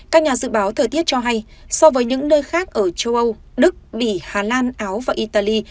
các nhà dự báo thời tiết cho hay so với những nơi khác ở châu âu đức bỉ hà lan áo và italy